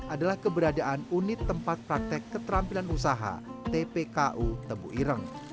adalah keberadaan unit tempat praktek keterampilan usaha tpku tebu ireng